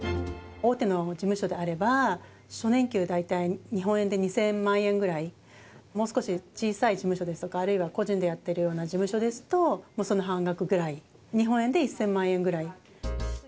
大手の事務所であれば、初年給が大体、日本円で２０００万円ぐらい、もう少し小さい事務所ですとか、あるいは個人でやっているような事務所ですと、その半額ぐらい、日本円で１０００万円ぐらい。